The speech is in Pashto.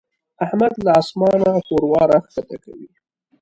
احمد له اسمانه ښوروا راکښته کوي.